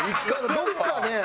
どっかね。